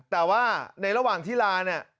แต่ว่าในระหว่างที่ลาเนี่ย